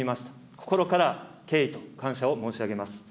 心から敬意と感謝を申し上げます。